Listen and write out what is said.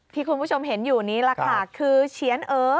ที่คุณผู้ชมเห็นอยู่นี้แหละค่ะคือเฉียนเออ